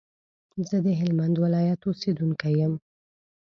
زه د هلمند ولايت اوسېدونکی يم